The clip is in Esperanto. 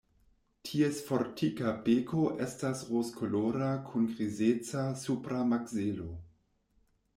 Ties fortika beko estas rozkolora kun grizeca supra makzelo.